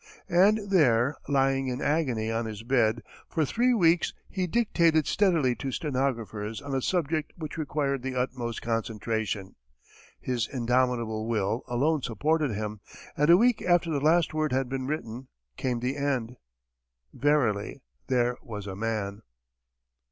And there, lying in agony on his bed, for three weeks he dictated steadily to stenographers on a subject which required the utmost concentration. His indomitable will alone supported him, and a week after the last word had been written, came the end. Verily, there was a man!